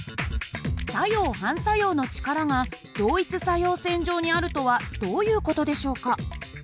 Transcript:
作用・反作用の力が同一作用線上にあるとはどういう事でしょうか？